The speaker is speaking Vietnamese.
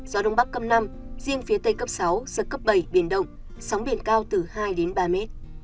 gió đông bắc cấp năm riêng phía tây cấp sáu giật cấp bảy biển đông sóng biển cao từ hai ba m